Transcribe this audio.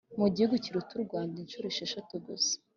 mu gihugu kiruta urwanda inshuro eshanu gusa!